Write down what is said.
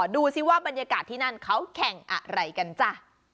ดูสิว่าบรรยากาศที่นั่นเขาแข่งอะไรกันจ้ะ